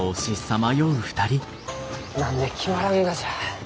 何で決まらんがじゃ？